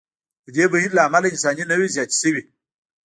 د دې بهیر له امله انساني نوعې زیاتې شوې.